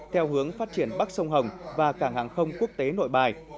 theo hướng phát triển bắc sông hồng và cảng hàng không quốc tế nội bài